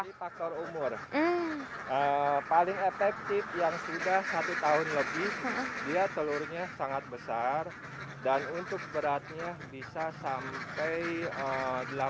di faktor umur paling efektif yang sudah satu tahun lebih dia telurnya sangat besar dan untuk beratnya bisa sampai delapan